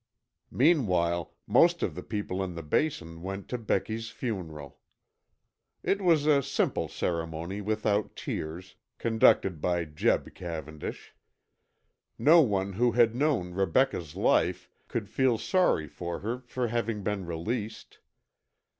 Meanwhile, most of the people in the Basin went to Becky's funeral. It was a simple ceremony without tears, conducted by Jeb Cavendish. No one who had known Rebecca's life could feel sorry for her for having been released.